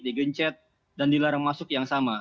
digencet dan dilarang masuk yang sama